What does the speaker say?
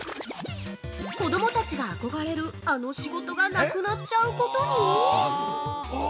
子供たちが憧れる、あの仕事がなくなっちゃうことに！？